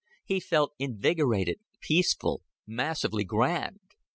He felt invigorated, peaceful, massively grand.